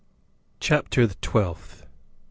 CHAPTER THE TWELFTH.